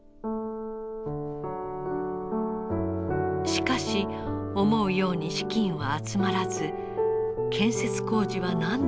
しかし思うように資金は集まらず建設工事は何度も中断。